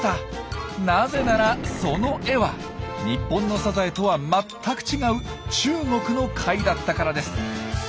なぜならその絵は日本のサザエとは全く違う中国の貝だったからです。